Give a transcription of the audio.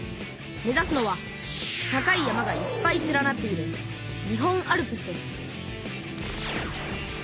目ざすのは高い山がいっぱい連なっている日本アルプスです